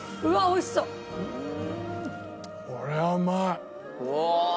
いやこれはうまい。